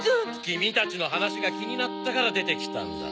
キミたちの話が気になったから出てきたんだ。